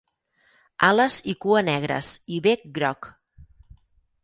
Ales i cua negres i bec groc.